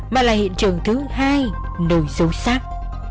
mà là hiện trường thứ hai nơi xấu xác